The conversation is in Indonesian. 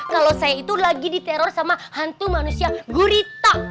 kalau saya itu lagi diteror sama hantu manusia gurita